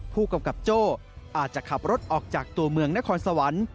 ผู้กำกับโจ้อาจจะขับรถออกจากตัวเมืองนครสวรรค์